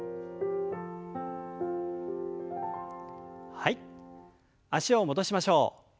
はい脚を戻しましょう。